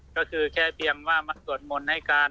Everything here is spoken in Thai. ก็คือแค่เพียงว่ามาสวดมนต์ให้กัน